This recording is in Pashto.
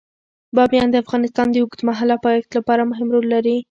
بامیان د افغانستان د اوږدمهاله پایښت لپاره مهم رول لري.